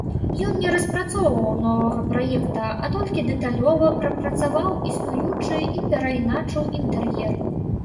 Ён не распрацоўваў новага праекта, а толькі дэталёва прапрацаваў існуючы і перайначыў інтэр'ер.